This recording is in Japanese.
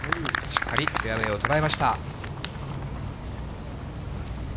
しっかりフェアウエーを捉えました。